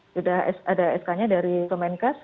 sudah ada sk nya dari kemenkes